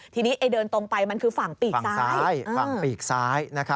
ทีนี้เดินตรงไปมันคือฝั่งปีกซ้าย